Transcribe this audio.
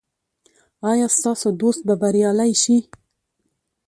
ایا ستاسو دوست به بریالی شي؟